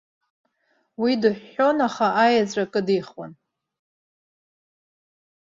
Уи дыҳәҳәон, аха аеҵәа кыдихуан.